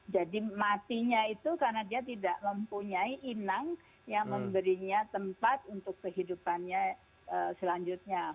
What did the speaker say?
jadi matinya itu karena dia tidak mempunyai inang yang memberinya tempat untuk kehidupannya selanjutnya